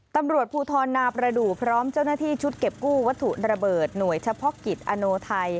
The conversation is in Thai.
ตำรวจภูทรนาประดูกพร้อมเจ้าหน้าที่ชุดเก็บกู้วัตถุระเบิดหน่วยเฉพาะกิจอโนไทย